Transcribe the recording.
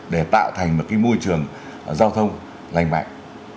để tạo thành một môi trường giao thông lành mạnh